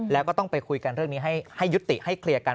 แล้วก็ต้องไปคุยกันเรื่องนี้ให้ยุติให้เคลียร์กัน